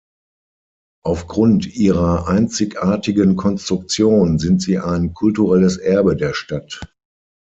Aufgrund ihrer einzigartigen Konstruktion sind sie ein kulturelles Erbe der Stadt.